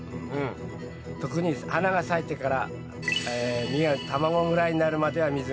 特に花が咲いてから実が卵ぐらいになるまでは水が必要なんだ。